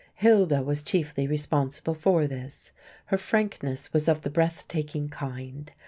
"Hilda" was chiefly responsible for this; her frankness was of the breath taking kind.